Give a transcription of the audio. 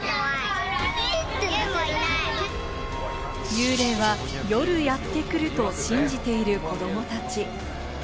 幽霊は夜やってくると信じている子供たち。